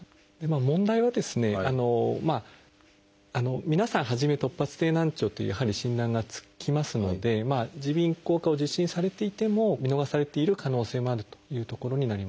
問題は皆さん初め突発性難聴というやはり診断がつきますので耳鼻咽喉科を受診されていても見逃されている可能性もあるというところになりますね。